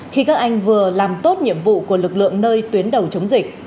khi các anh vừa làm tốt nhiệm vụ của lực lượng nơi tuyến đầu chống dịch